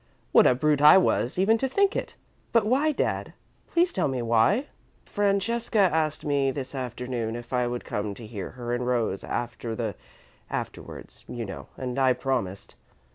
What a brute I was even to think it! But why, Dad? Please tell me why!" "Francesca asked me this afternoon if I would come to her and Rose, after the afterwards, you know, and I promised."